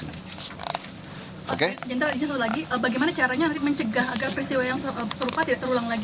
jenderal ini satu lagi bagaimana caranya menjaga agar peristiwa yang serupa tidak terulang lagi